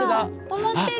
止まってる！